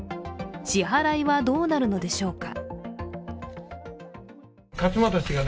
支払いはどうなるのでしょうか。